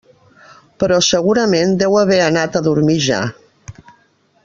Però segurament deu haver anat a dormir ja.